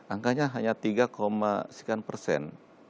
angkanya hanya tiga sekian persen